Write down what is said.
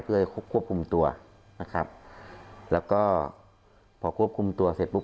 เพื่อควบคุมตัวนะครับแล้วก็พอควบคุมตัวเสร็จปุ๊